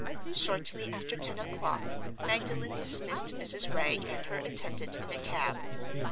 Shortly after ten o'clock Magdalen dismissed Mrs. Wragge and her attendant in a cab.